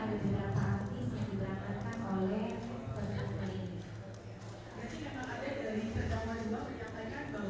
tidak terlalu saya banyak bicara dan berkomunikasi dengan yang bersamakan